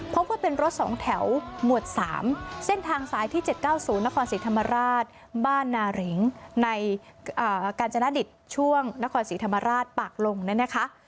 พบว่าเป็นรถสองแถวหมวดสามเส้นทางซ้ายที่เจ็ดเก้าศูนย์นครสีธรรมราชบ้านนาเหรงในอ่ากาญจนาดิตช่วงนครสีธรรมราชปากลงน่ะนะคะ